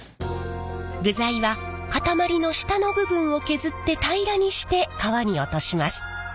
具材は塊の下の部分を削って平らにして皮に落とします。